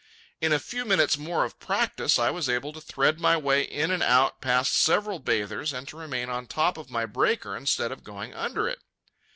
In a few minutes more of practice I was able to thread my way in and out past several bathers and to remain on top my breaker instead of going under it.